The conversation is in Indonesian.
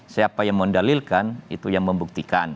siapa yang mendalilkan itu yang membuktikan